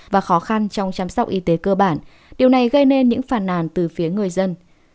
và khó khăn trong chăm sóc y tế cơ bản điều này gây nên những phàn nàn từ phía người dân